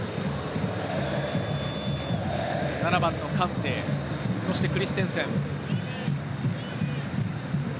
７番のカンテ、そしてクリステンセン。